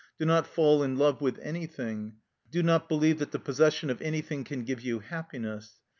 Do not fall in love with anything; do not believe that the possession of anything can give you happiness.